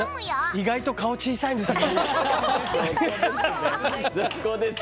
意外と顔が小さいんですね。